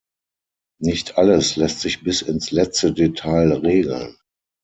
Nicht alles lässt sich bis ins letzte Detail regeln.